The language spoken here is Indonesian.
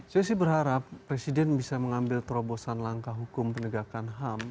saya sih berharap presiden bisa mengambil terobosan langkah hukum penegakan ham